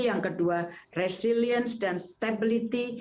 yang kedua kemampuan dan stabilitas